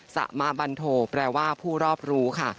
สมาบันโทแปลว่าผู้รอบรู้ค่ะ